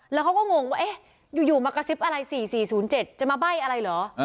แล้วเขาก็งงว่าเอ๊ะอยู่มากระซิบอะไร๔๔๐๗จะมาใบ้อะไรเหรอ